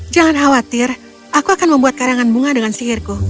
jangan khawatir aku akan membuat karangan bunga dengan sihirku